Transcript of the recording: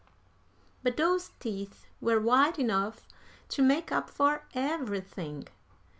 But those teeth were white enough to make up for everything.